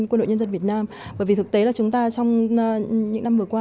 quân đội nhân dân việt nam bởi vì thực tế là chúng ta trong những năm vừa qua